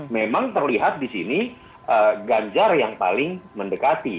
memang terlihat di sini ganjar yang paling mendekati